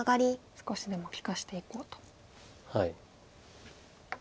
少しでも利かしていこうと。